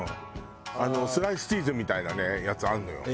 スライスチーズみたいなやつあるのよ。